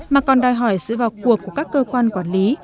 mà còn đòi hỏi sự vào cuộc của các cơ quan quản lý